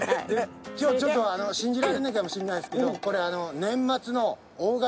今日ちょっと信じられないかもしれないですけどこれ。